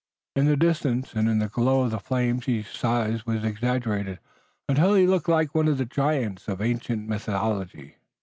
In the distance and in the glow of the flames his size was exaggerated until he looked like one of the giants of ancient mythology.